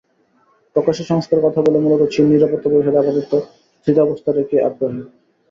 প্রকাশ্যে সংস্কারের কথা বললেও মূলত চীন নিরাপত্তা পরিষদে আপাতত স্থিতাবস্থা রাখতেই আগ্রহী।